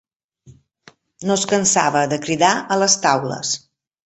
No es cansava de cridar a les taules